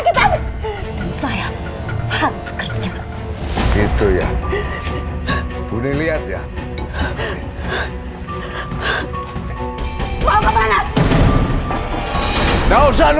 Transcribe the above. bapak terlalu percaya sama bukitulian